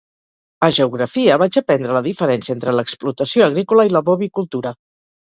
A geografia vaig aprendre la diferència entre l'explotació agrícola i la bovicultura.